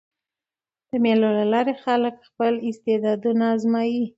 د مېلو له لاري خلک خپل استعدادونه آزمويي.